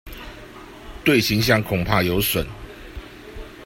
對形象恐怕有損